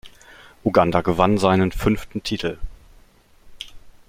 Uganda gewann seinen fünften Titel.